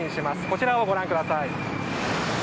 こちらをご覧ください。